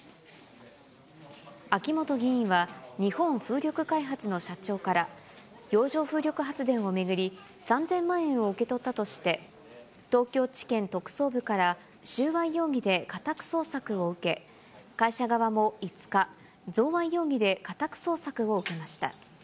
秋本議員は日本風力開発の社長から、洋上風力発電を巡り、３０００万円を受け取ったとして、東京地検特捜部から収賄容疑で家宅捜索を受け、会社側も５日、贈賄容疑で家宅捜索を受けました。